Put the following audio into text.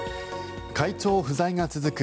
会長不在が続く